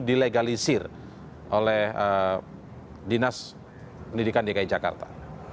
dilegalisir oleh dinas pendidikan dki jakarta